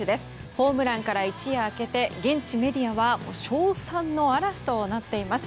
ホームランから一夜明けて現地メディアは称賛の嵐となっています。